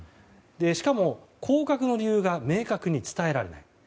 しかも、降格の理由が明確に伝えられない。